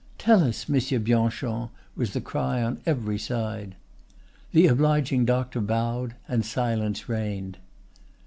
"Tell us, Monsieur Bianchon!" was the cry on every side. The obliging doctor bowed, and silence reigned.